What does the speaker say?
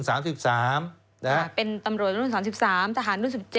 แต่เป็นตำรวจรุ่น๓๓ทหารรุ่น๑๗